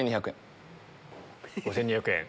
５２００円。